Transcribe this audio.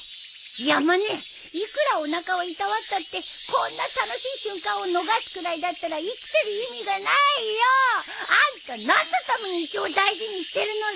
山根いくらおなかをいたわったってこんな楽しい瞬間を逃すくらいだったら生きてる意味がないよ！あんた何のために胃腸を大事にしてるのさ！